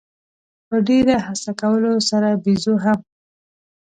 په ډېره هڅه کولو سره بېزو هم.